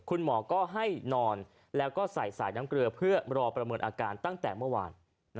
คุณหมอก็ให้นอนแล้วก็ใส่สายน้ำเกลือเพื่อรอประเมินอาการตั้งแต่เมื่อวาน